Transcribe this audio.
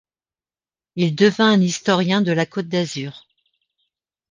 Il devint un historien de la Côte d'Azur.